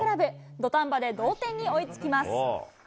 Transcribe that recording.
土壇場で同点に追いつきます。